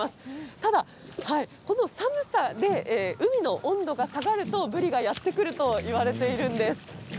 ただこの寒さで海の温度が下がると、ブリがやって来るといわれているんです。